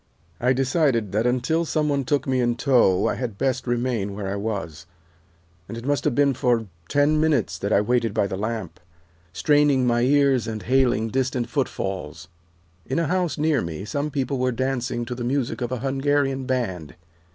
"I decided that until some one took me in tow I had best remain where I was, and it must have been for ten minutes that I waited by the lamp, straining my ears and hailing distant footfalls. In a house near me some people were dancing to the music of a Hungarian band.